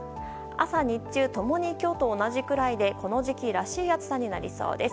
朝、日中共に今日と同じぐらいでこの時期らしい暑さになりそうです。